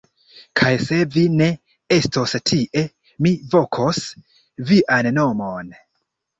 Kaj se vi ne estos tie, mi vokos vian nomon!